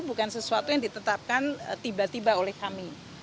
bukan sesuatu yang ditetapkan tiba tiba oleh kami